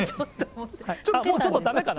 もうちょっとだめかな。